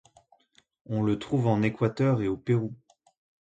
On le trouve en Équateur et au Pérou.